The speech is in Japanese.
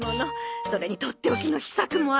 それにとっておきの秘策もあるんです。